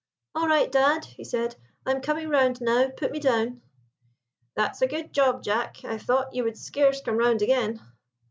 "All right, dad!" he said. "I am coming round now; put me down." "That's a good job, Jack. I thought you would scarce come round again."